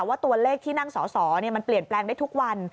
ว่าตัวเลขที่นั่งสอสอมันเปลี่ยนแปลงได้ทุกวัน